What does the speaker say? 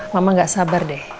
mama gak sabar deh